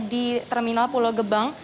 di terminal pulau gebang